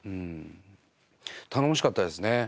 頼もしかったですね。